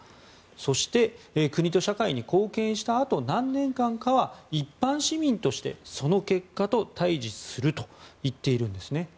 そして、国と社会に貢献したあと何年間かは一般市民としてその結果と対峙すると言っているんですね。